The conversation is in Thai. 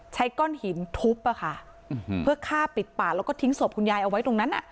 ใช้ก้อนหินทุบอะค่ะเพื่อฆ่าปิดปากแล้วก็ทิ้งศพคุณยายเอาไว้ตรงนั้นอ่ะ